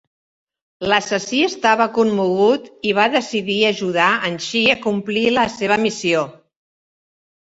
L'assassí estava commogut i va decidir ajudar en Chi a complir la seva missió.